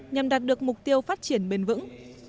nhằm đạt được mục tiêu phát triển bền vững